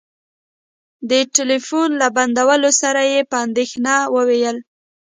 د ټلفون له بندولو سره يې په اندېښنه وويل.